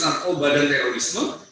narkoba dan terorisme